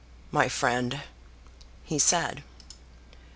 "My friend," he said.